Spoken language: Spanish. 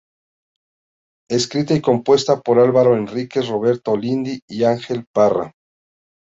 Escrita y compuesta por Alvaro Henriquez, Roberto Lindl y Ángel Parra.